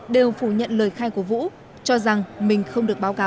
đều phủ nhận lời khai của vũ cho rằng mình không được báo cáo